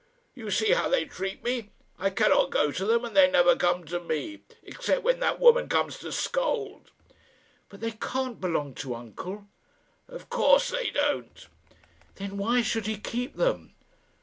You see how they treat me. I cannot go to them, and they never come to me except when that woman comes to scold." "But they can't belong to uncle." "Of course they don't." "Then why should he keep them?